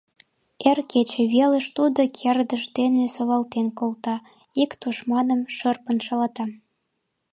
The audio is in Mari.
Эр кече велыш тудо кердыж дене солалтен колта — ик тушманым шырпын шалата.